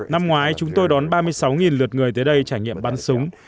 năm ngoái chúng tôi đón ba mươi sáu lượt người tới đây trải nghiệm bắn súng